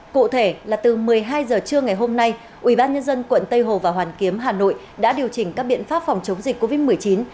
cụ thể là từ một mươi hai h trưa ngày hôm nay ubnd quận tây hồ và hoàn kiếm hà nội đã điều chỉnh các biện pháp phòng chống dịch covid một mươi chín